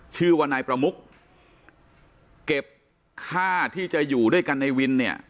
ชื่อว่านายประมุกเก็บค่าที่จะอยู่ด้วยกันในวินเนี่ย